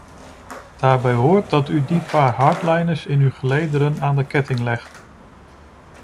Daarbij hoort dat u die paar hardliners in uw gelederen aan de ketting legt.